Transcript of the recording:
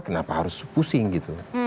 kenapa harus pusing gitu